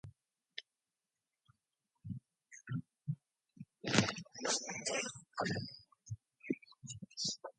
He is an only child and has a fetish for older woman.